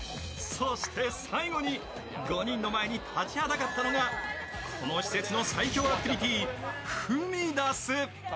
そして最後に５人の前に立ちはだかったのがこの施設の最恐アクティビティーフミダス。